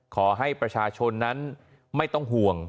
ขอให้ประชาชนนั้นไม่ต้องห่วง